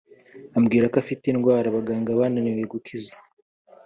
Ambwira ko afite indwara abaganga bananiwe gukiza